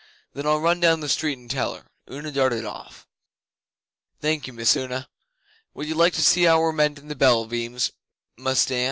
'Then I'll run down street and tell her.' Una darted off. 'Thank you, Miss Una. Would you like to see how we're mendin' the bell beams, Mus' Dan?